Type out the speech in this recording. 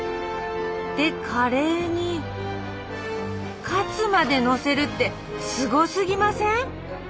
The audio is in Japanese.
でカレーにカツまでのせるってすごすぎません？